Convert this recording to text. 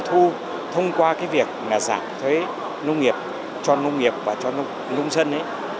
thu thông qua cái việc là giảm thuế nông nghiệp cho nông nghiệp và cho nông dân ấy